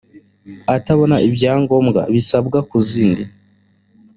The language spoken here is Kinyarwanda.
atabona ibyangombwa bisabwa ku zindi